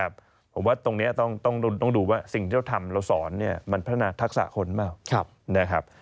ผมว่าตรงนี้ต้องดูว่าสิ่งที่เราทำเราสอนมันพัฒนาทักษะคนเปล่านะครับ